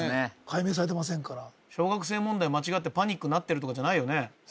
解明されてませんから小学生問題間違ってパニックになってるとかじゃないよね